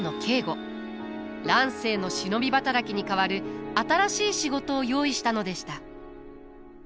乱世の忍び働きに代わる新しい仕事を用意したのでした。